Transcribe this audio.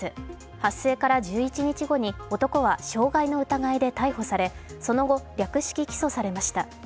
発生から１１日後に、男は傷害の疑いで逮捕されその後、略式起訴されました。